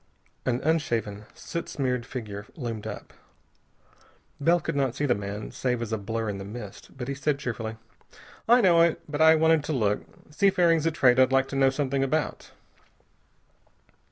An unshaven, soot smeared figure loomed up. Bell could not see the man save as a blur in the mist, but he said cheerfully: "I know it, but I wanted to look. Seafaring's a trade I'd like to know something about."